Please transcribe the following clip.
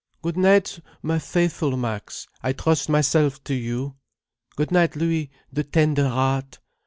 "Good night, my faithful Max, I trust myself to you. Good night, Louis, the tender heart.